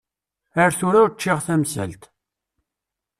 Ar tura ur ččiɣ tamsalt.